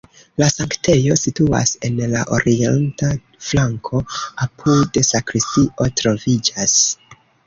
La sanktejo situas en la orienta flanko, apude sakristio troviĝas.